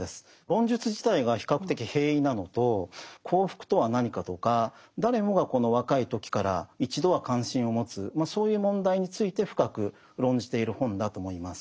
論述自体が比較的平易なのと幸福とは何かとか誰もが若い時から一度は関心を持つそういう問題について深く論じている本だと思います。